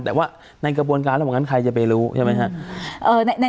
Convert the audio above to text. แต่ว่าในกระบวนการระหว่างนั้นใครจะไปรู้ใช่ไหมฮะ